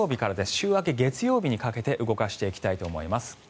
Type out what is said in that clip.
週明け月曜日にかけて動かしていきたいと思います。